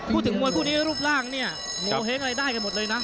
พูดถึงมวยคู่นี้รูปร่างเนี่ยโงเห้งอะไรได้กันหมดเลยนะ